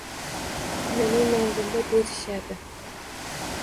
Pulini manzilda berishadi.